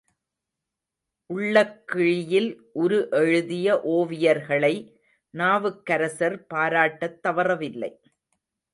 உள்ளக் கிழியில் உரு எழுதிய ஓவியர்களை நாவுக்கரசர் பாராட்டத் தவறவில்லை.